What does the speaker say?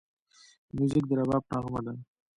موزیک د رباب نغمه ده.